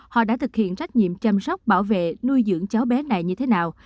họ đã thực hiện trách nhiệm chăm sóc bảo vệ nuôi dưỡng cháu bé này như thế nào